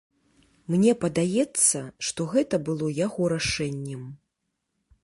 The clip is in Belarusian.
Мне падаецца, што гэта было яго рашэннем.